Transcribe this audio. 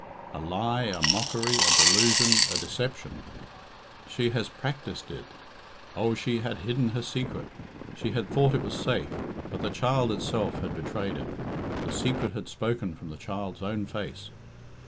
A lie, a mockery, a delusion, a deception! She has practised it. Oh, she had hidden her secret. She had thought it was safe. But the child itself had betrayed it. The secret had spoken from the child's own face.